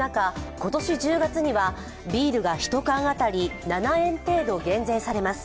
今年１０月にはビールが１缶当たり７円程度減税されます。